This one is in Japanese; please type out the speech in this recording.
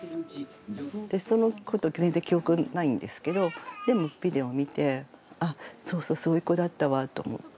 私そのこと全然記憶ないんですけどでもビデオ見てあっそうそうそういう子だったわと思って。